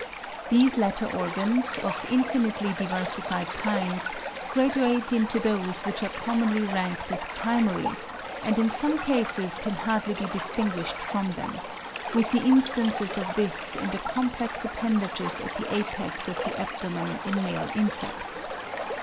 These latter organs, of infinitely diversified kinds, graduate into those which are commonly ranked as primary, and in some cases can hardly be distinguished from them; we see instances of this in the complex appendages at the apex of the abdomen in male insects.